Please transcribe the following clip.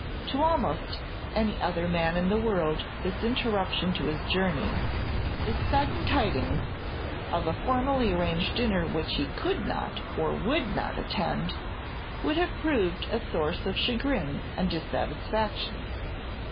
To almost any other man in the world this interruption to his journey this sudden tidings of a formally arranged dinner which he could not or would not attend would have proved a source of chagrin and dissatisfaction.